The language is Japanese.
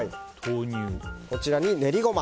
こちらに練りゴマ。